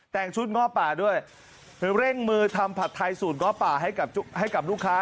แต่งชุดง้อป่าด้วยเร่งมือทำผัดไทยสูตรง้อป่าให้กับลูกค้า